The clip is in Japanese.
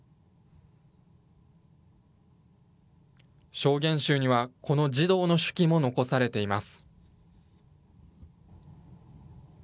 証言集には、この児童の手記も残されています。